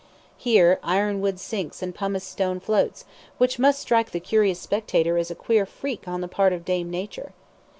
Here ironwood sinks and pumice stone floats, which must strike the curious spectator as a queer freak on the part of Dame Nature.